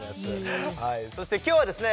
そして今日はですね